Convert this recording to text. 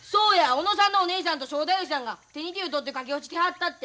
小野さんのお姉さんと正太夫さんが手に手を取って駆け落ちしてはったって。